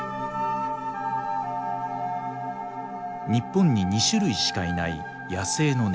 日本に２種類しかいない野生の猫。